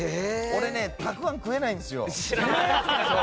俺ねたくあん食えないんですよ。